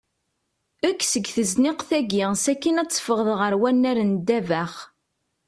Ekk seg tezniqt-agi ssakin af teffeɣḍ ɣer unnar n ddabex.